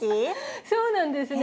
そうなんですね。